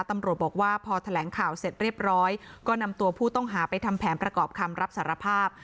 ตำรวจบอกว่าพอแถลงข่าวเสร็จเรียบร้อยก็นำตัวผู้ต้องหาไปทำแผนประกอบคำรับสารภาพ